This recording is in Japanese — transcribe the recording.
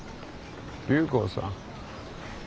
隆子さん？